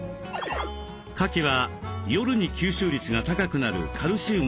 かきは夜に吸収率が高くなるカルシウムを豊富に含む食材。